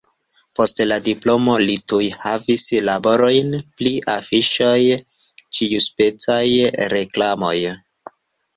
Post la diplomo li tuj havis laborojn pri afiŝoj, ĉiuspecaj reklamoj.